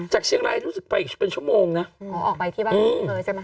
จากเชียงรายรู้สึกไปอีกเป็นชั่วโมงนะอ๋อออกไปที่บ้านเลยใช่ไหม